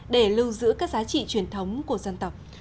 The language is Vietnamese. để lưu giữ các giá trị truyền thống của dân tộc